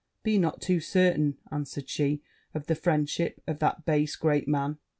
'Be not too certain,' answered she, 'of the friendship of that base great man.'